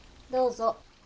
どうぞ。